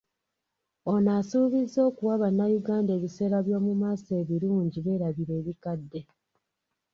Ono asuubizza okuwa bannayuganda ebiseera by'omu maaso ebirungi beerabire ebikadde.